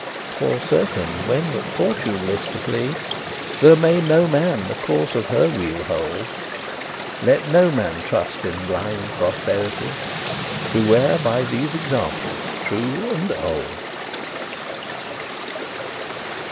For, certain, when that Fortune list to flee, There may no man the course of her wheel hold: Let no man trust in blind prosperity; Beware by these examples true and old.